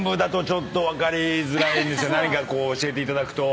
「何かこう教えていただくと」